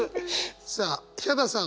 さあヒャダさん